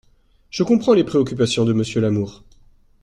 Je comprends les préoccupations de Monsieur Lamour.